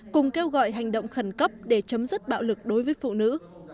cùng kêu gọi hành động khẩn cấp để chấm dứt bạo lực đối với phụ nữ